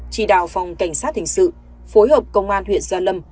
chỉ đạo phòng cảnh sát hình sự phối hợp công an huyện gia lâm